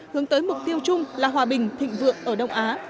hướng tới mục tiêu chung là hòa bình thịnh vượng ở đông á